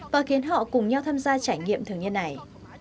và khiến họ cùng nhau tham gia những việc tốt đẹp